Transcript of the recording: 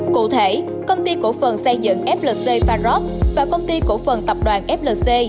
cụ thể công ty cổ phần xây dựng flc parot và công ty cổ phần tập đoàn flc